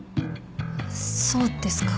そうですか。